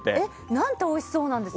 何ておいしそうなんですか！